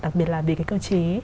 đặc biệt là về cái cơ chế